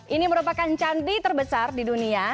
ini merupakan candi terbesar di dunia